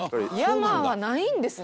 山はないんですね。